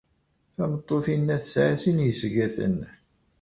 Tameṭṭut-inna tesɛa sin yesgaten.